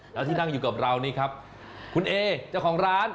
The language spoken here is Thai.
แล้วที่นั่งอยู่กับเรานี่ครับคุณเอเจ้าของร้าน